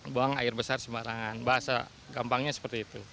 buang air besar sembarangan bahasa gampangnya seperti itu